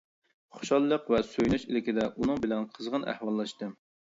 خۇشاللىق ۋە سۆيۈنۈش ئىلكىدە ئۇنىڭ بىلەن قىزغىن ئەھۋاللاشتىم.